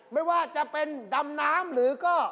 ไม่ว่าจะเป็นดำน้ำหรือก็